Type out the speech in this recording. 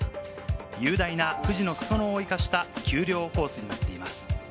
雄大な富士の裾野を生かした丘陵コースになっています。